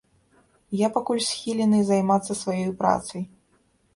Я пакуль схілены займацца сваёй працай.